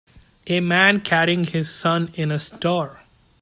A man carrying his son in a store